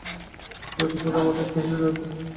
জাতিপ্রথা আমাদিগকে হিন্দুজাতিরূপে বাঁচাইয়া রাখিয়াছে।